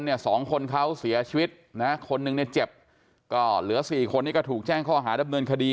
สองคนเขาเสียชีวิตนะคนหนึ่งเนี่ยเจ็บก็เหลือสี่คนนี้ก็ถูกแจ้งข้อหาดำเนินคดี